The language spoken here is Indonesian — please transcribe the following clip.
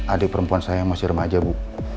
adik perempuan saya yang masih remaja bu